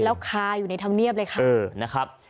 แล้วคาร์อยู่ในธรรมเนียบเลยครับ